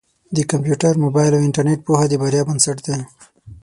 د کمپیوټر، مبایل او انټرنېټ پوهه د بریا بنسټ دی.